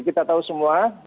kita tahu semua